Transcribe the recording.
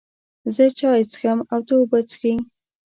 زه چای څښم او ته اوبه څښې